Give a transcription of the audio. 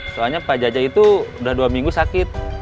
soalnya pak jaja itu udah dua minggu sakit